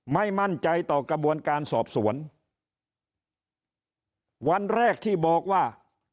ไม่มั่นใจต่อกระบวนการสอบสวนวันแรกที่บอกว่า